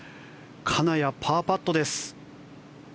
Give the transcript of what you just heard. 金谷、パーパットです。